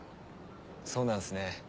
そうなんすね。